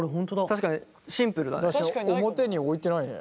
確かにシンプルだね。